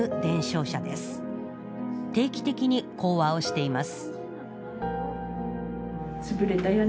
定期的に講話をしています